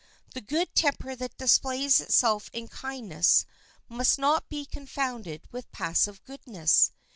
The good temper that displays itself in kindness must not be confounded with passive goodness.